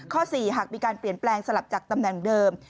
๔หากมีการเปลี่ยนแปลงสลับจากตำแหน่งเดิม